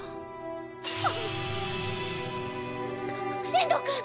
遠藤くん